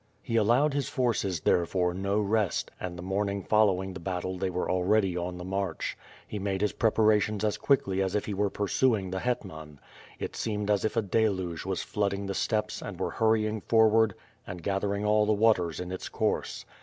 He allowed his forces, therefore, no rest and the morning following the battle they were already on the march. He made his preparations as quickly as if he were pursuing the hetman. It fieemed as if a deluge were flooding the steppes and were hurrying forward and gathering all the waters in its course.